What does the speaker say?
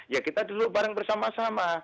ya kita duduk bareng bersama sama